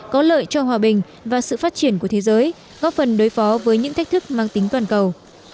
có lợi cho hòa bình và sự phát triển của thế giới góp phần đối phó với những thách thức mang tính toàn cầu